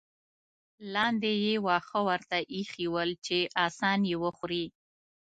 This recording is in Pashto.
لاندې یې واښه ورته اېښي ول چې اسان یې وخوري.